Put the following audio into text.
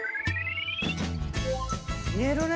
寝るね！